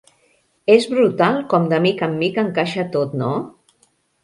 És brutal com de mica en mica encaixa tot, no?